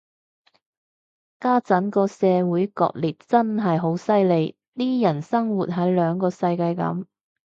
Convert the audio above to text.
家陣個社會割裂真係好犀利，啲人生活喺兩個世界噉